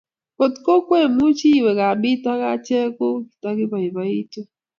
kotko kwemuchi iwe kambit ak achek ko katakibaibaituu